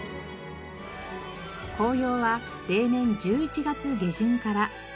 紅葉は例年１１月下旬から。